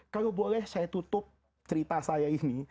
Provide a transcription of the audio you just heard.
kalau boleh saya tutup cerita saya ini